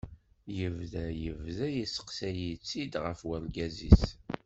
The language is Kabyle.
Yebda yebda yesteqsay-itt-id ɣef urgaz-is.